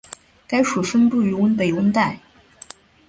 该属分布于北温带。